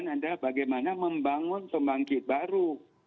adalah bagaimana membangun pembangkit baru